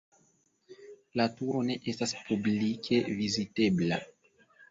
La turo ne estas publike vizitebla.